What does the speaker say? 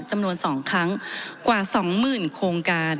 จำนวนสองครั้งกว่าสองหมื่นโครงการ